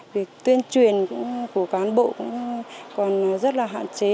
việc tuyên truyền của cán bộ cũng còn rất là hạn chế